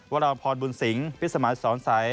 วรรณพรบุญสิงศ์พิษสมัครสอนสัย